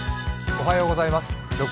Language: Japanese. おはようございます。